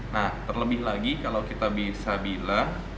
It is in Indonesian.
nah terlebih lagi kalau kita bisa bilang